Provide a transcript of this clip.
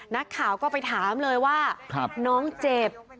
นักข่าวก็ไปถามเลยว่าน้องเจ็บ